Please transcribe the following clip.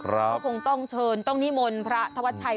จะคงต้องเชิญต้นที่มลพระทวชัย